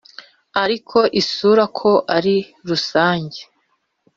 ariko isura ko ari rusange,